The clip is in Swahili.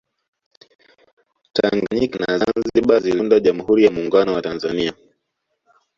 tanganyika na zanzibar ziliunda jamhuri ya muungano wa tanzania